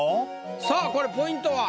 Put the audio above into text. さあこれポイントは？